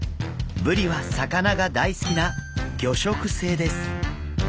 ブリは魚が大好きな魚食性です。